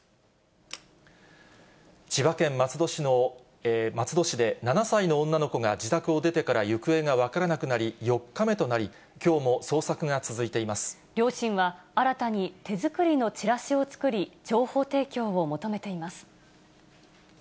千葉県松戸市で、７歳の女の子が自宅を出てから行方が分からなくなり、４日目とな両親は、新たに手作りのチラシを作り、情報提供を求めています。